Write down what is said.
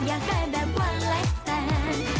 อยากได้แบบวางและแฟน